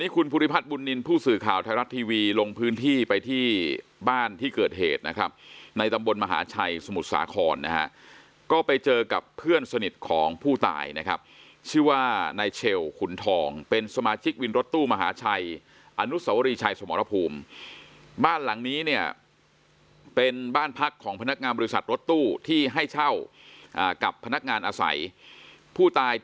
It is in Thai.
คุณภูริพัฒน์บุญนินทร์ผู้สื่อข่าวไทยรัฐทีวีลงพื้นที่ไปที่บ้านที่เกิดเหตุนะครับในตำบลมหาชัยสมุทรสาครนะฮะก็ไปเจอกับเพื่อนสนิทของผู้ตายนะครับชื่อว่านายเชลขุนทองเป็นสมาชิกวินรถตู้มหาชัยอนุสวรีชัยสมรภูมิบ้านหลังนี้เนี่ยเป็นบ้านพักของพนักงานบริษัทรถตู้ที่ให้เช่ากับพนักงานอาศัยผู้ตาย